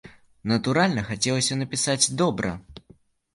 Натуральна, хацелася напісаць добра.